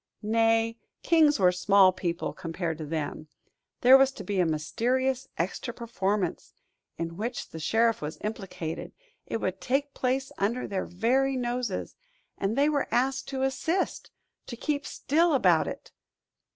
Nay, kings were small people compared to them. There was to be a mysterious extra performance, in which the sheriff was implicated; it would take place under their very noses, and they were asked to assist, to keep still about it!